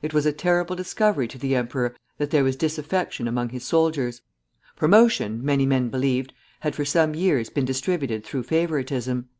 It was a terrible discovery to the emperor that there was disaffection among his soldiers. Promotion, many men believed, had for some years been distributed through favoritism.